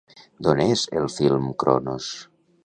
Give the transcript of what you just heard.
D'on és el film Cronos?